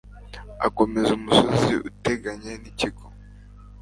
akomeza umusozi uteganye n'ikigo